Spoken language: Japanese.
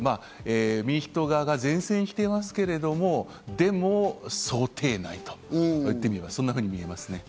民主党側が善戦していますけれども、でも想定内、そんなふうに見えます。